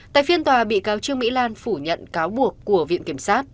tại phiên tòa bị cáo trương mỹ lan phủ nhận cáo buộc của viện kiểm sát